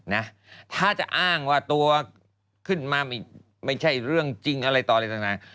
นะถ้าจะอ้างว่าตัวขึ้นมาไม่ใช่เรื่องจริงอะไรต่ออะไรต่าง